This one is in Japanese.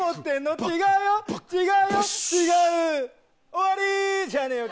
終わりじゃねえわ。